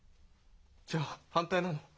じゃあ反対なの？